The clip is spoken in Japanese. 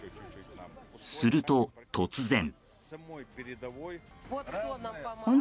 すると、突然。